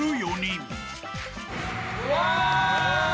うわ！